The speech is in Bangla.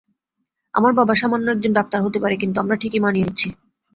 আমার বাবা সামান্য একজন ডাক্তার হতে পারে, কিন্তু আমরা ঠিকই মানিয়ে নিচ্ছি।